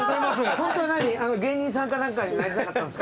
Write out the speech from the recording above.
ホントは芸人さんか何かになりたかったんですか？